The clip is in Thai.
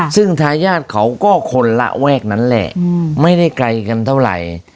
ซึ่งทายาทเขาก็คนระแวกนั้นแหละไม่ได้ไกลกันเท่าไหร่